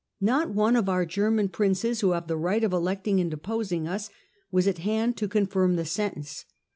Not one of our German Princes, who have the right of electing and deposing us, was at hand to confirm the sentence.